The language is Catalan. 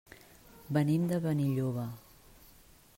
Venim de Benilloba.